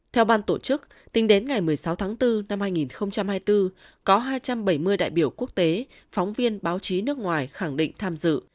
theo ban tổ chức tính đến ngày một mươi sáu tháng bốn năm hai nghìn hai mươi bốn có hai trăm bảy mươi đại biểu quốc tế phóng viên báo chí nước ngoài khẳng định tham dự